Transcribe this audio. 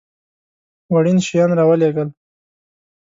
وړین شیان را ولېږل.